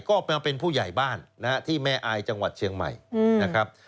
ก็เป็นผู้ใหญ่บ้านที่แม่อายจังหวัดเชียงใหม่นะครับ